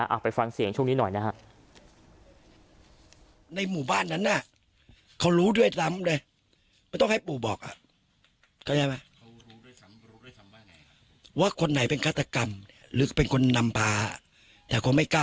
ไปฟังเสียงช่วงนี้หน่อยนะฮะ